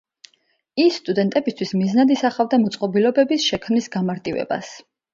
ის სტუდენტებისთვის მიზნად ისახავდა მოწყობილობების შექმნის გამარტივებას.